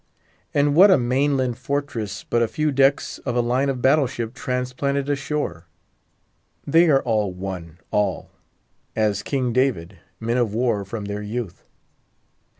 And what a main land fortress but a few decks of a line of battle ship transplanted ashore? They are all one—all, as King David, men of war from their youth.